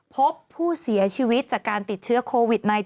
พบผู้เสียชีวิตจากการติดเชื้อโควิด๑๙